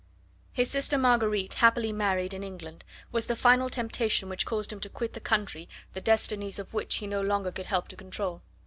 His sister Marguerite, happily married in England, was the final temptation which caused him to quit the country the destinies of which he no longer could help to control.